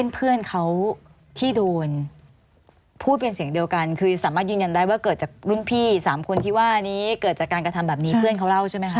เพื่อนเขาที่โดนพูดเป็นเสียงเดียวกันคือสามารถยืนยันได้ว่าเกิดจากรุ่นพี่๓คนที่ว่านี้เกิดจากการกระทำแบบนี้เพื่อนเขาเล่าใช่ไหมคะ